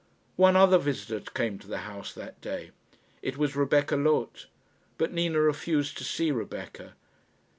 One other visitor came to the house that day. It was Rebecca Loth. But Nina refused to see Rebecca.